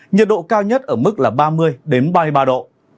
nhiệt độ cao nhất ở mức là ba mươi ba mươi ba độ